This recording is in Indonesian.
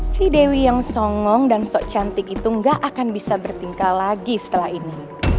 si dewi yang songong dan so cantik itu gak akan bisa bertingkal lagi setelah ini